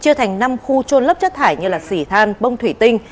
chia thành năm khu trôn lấp chất thải như xỉ than bông thủy tinh